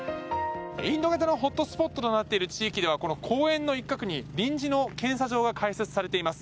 インド型のホットスポットとなっている地域ではこの公園の一角に臨時の検査場が開設されています。